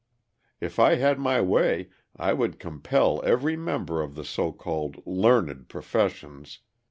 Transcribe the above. If I had my way I would compel every member of the so called "learned" professions